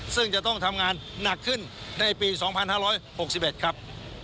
ซึ่งจะต้องทำงานหนักขึ้นในปี๒๕๖๑ครับ